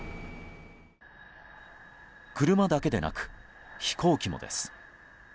車だけでなく飛行機もです。